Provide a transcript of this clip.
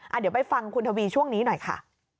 เดี๋ยวไปฟังคุณทวีช่วงนี้หน่อยค่ะ